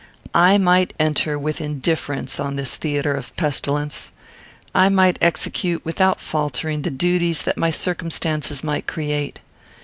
I might enter with indifference on this theatre of pestilence. I might execute, without faltering, the duties that my circumstances might create.